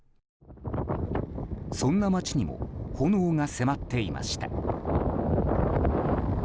そんな街にも炎が迫っていました。